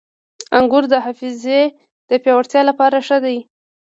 • انګور د حافظې د پیاوړتیا لپاره ښه دي.